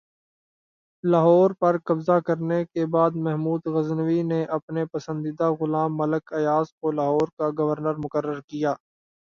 لاہور پر قبضہ کرنے کے بعد محمود غزنوی نے اپنے پسندیدہ غلام ملک ایاز کو لاہور کا گورنر مقرر کیا